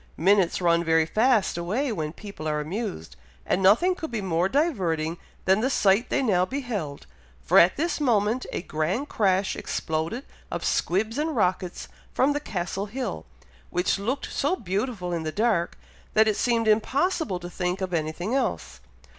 Minutes run very fast away when people are amused, and nothing could be more diverting than the sight they now beheld, for at this moment a grand crash exploded of squibs and rockets from the Castle hill, which looked so beautiful in the dark, that it seemed impossible to think of anything else.